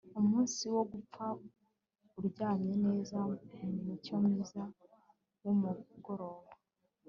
Umunsi wo gupfa uryamye neza mumucyo mwiza wumugoroba